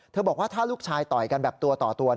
บอกว่าถ้าลูกชายต่อยกันแบบตัวต่อตัว